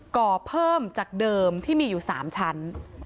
ก่อเพิ่มจากเดิมที่มีอยู่๓ชั้น